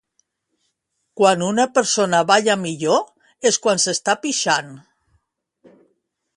Quan una persona balla millor és quan s'està pixant